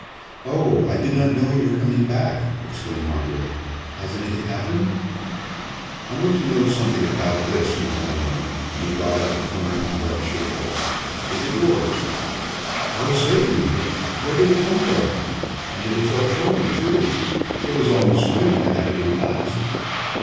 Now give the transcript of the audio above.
"Oh, I did not know you were coming back!" exclaimed Margaret. "Has anything happened?" "I want to know something about this, Miss Langmore," and he brought out the torn and wet shirtwaist. "Is it yours?" "Oh, certainly; but where did it come from? And it is all torn, too! It was almost new when I had it on last!"